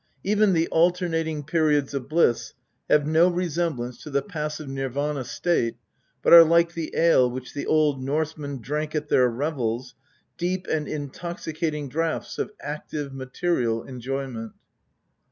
Even the alternating periods of bliss have no resemblance to the passive Nirvana state, but arc; like the ale which the Old Norsemen drank at their revels, deep and intoxicating draughts of active material enjoyment.